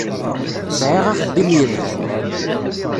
Sɛiɣ axeddim yelhan.